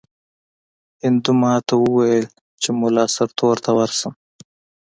هندو ماته وویل چې مُلا سرتور ته ورشم.